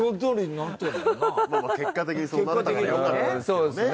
まあまあ結果的にそうなったからよかったんですけどね。